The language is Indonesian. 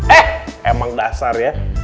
eh emang dasar ya